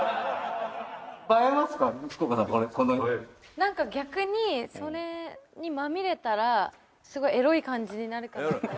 なんか逆にそれにまみれたらすごいエロい感じになるかなって思って。